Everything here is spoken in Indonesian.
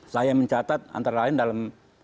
saya mencatat antara lain dalam